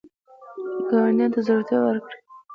ګاونډي ته زړورتیا ورکړه